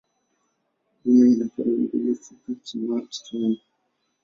Dume ina pembe mbili fupi kichwani.